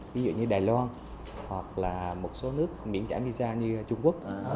ví dụ như đài loan hoặc là một số nước miễn trả visa như trung quốc